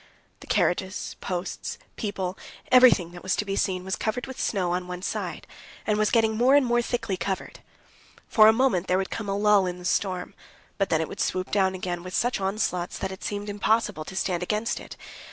The carriages, posts, people, everything that was to be seen was covered with snow on one side, and was getting more and more thickly covered. For a moment there would come a lull in the storm, but then it would swoop down again with such onslaughts that it seemed impossible to stand against it.